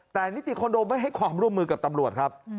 แต่นิติคอนโดไม่ให้ความร่วมมือกับตำรวจครับ